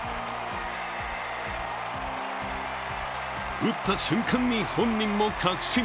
打った瞬間に本人も確信。